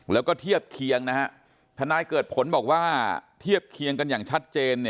แล้วก็เทียบเคียงนะฮะทนายเกิดผลบอกว่าเทียบเคียงกันอย่างชัดเจน